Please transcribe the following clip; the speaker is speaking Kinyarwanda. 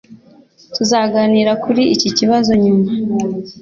Tuzaganira kuri iki kibazo nyuma.